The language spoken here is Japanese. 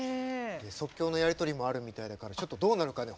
即興のやり取りもあるみたいだからちょっとどうなるかね